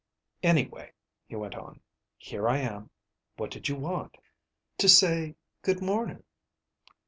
"Anyway," he went on. "Here I am. What did you want?" "To say good morning."